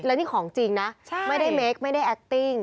และนี่ของจริงนะไม่ได้เมคไม่ได้แอคติ้ง